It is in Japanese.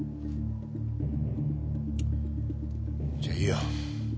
じゃあいいよ。